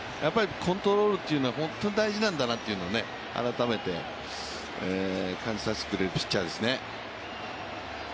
コントロールというのは本当大事なんだなというのを改めて感じさせてくれるピッチャーですね。